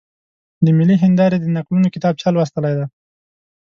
د ملي هېندارې د نکلونو کتاب چا لوستلی دی؟